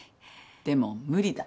でも無理だ。